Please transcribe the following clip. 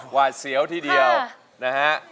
วาดเสียวทีเดียวนะฮะ